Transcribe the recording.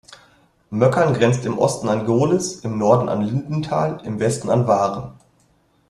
Möckern grenzt im Osten an Gohlis, im Norden an Lindenthal, im Westen an Wahren.